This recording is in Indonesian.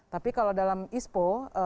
tapi kalau dalam ispo